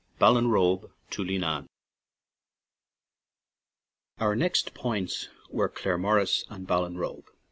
BALLINROBE TO LEENANE OUR next points were Claremorris and Bal linrobe.